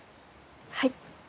はい。